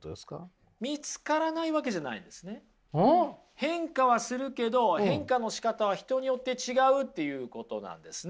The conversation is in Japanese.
変化はするけど変化のしかたは人によって違うっていうことなんですね。